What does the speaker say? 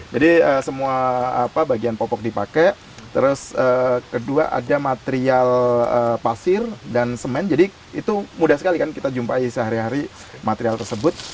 jadi semua bagian popok dipakai terus kedua ada material pasir dan semen jadi itu mudah sekali kan kita jumpai sehari hari material tersebut